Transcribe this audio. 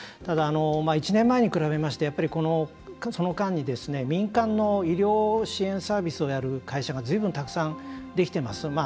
ただ、１年前に比べましてやっぱり、その間に民間の医療支援サービスをやる会社がずいぶん、たくさんできてます。